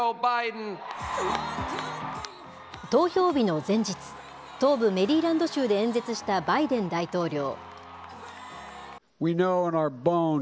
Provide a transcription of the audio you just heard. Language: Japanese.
投票日の前日、東部メリーランド州で演説したバイデン大統領。